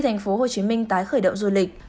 tp hcm tái khởi động du lịch